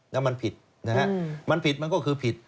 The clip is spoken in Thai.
แล้วมันผิดมันก็คือผิด